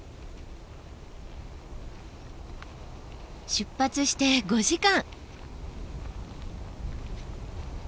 出発して５時間。